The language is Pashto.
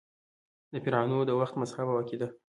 د فرعنوو د وخت مذهب او عقیده :